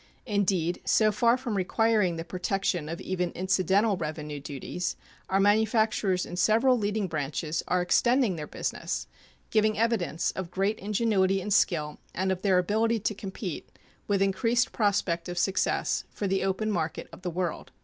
Indeed, so far from requiring the protection of even incidental revenue duties, our manufacturers in several leading branches are extending their business, giving evidence of great ingenuity and skill and of their ability to compete, with increased prospect of success, for the open market of the world.